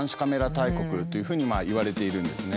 大国というふうにいわれているんですね。